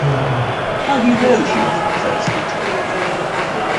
How do you know she wasn’t thirsty too?